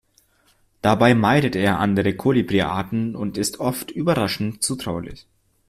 Dabei meidet er andere Kolibriarten und ist oft überraschend zutraulich.